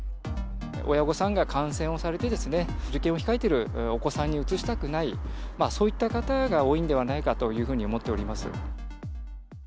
親御さんが感染をされて、受験を控えているお子さんにうつしたくない、そういった方が多いんではないかと思っております。